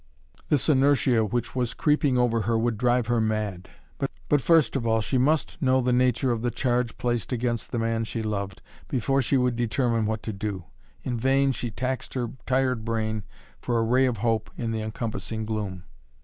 This inertia which was creeping over her would drive her mad. But first of all she must know the nature of the charge placed against the man she loved before she would determine what to do. In vain she taxed her tired brain for a ray of hope in the encompassing gloom.